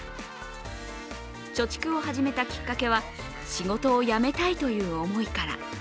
貯蓄を始めたきっかけは、仕事を辞めたいという思いから。